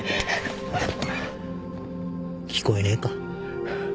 聞こえねえか。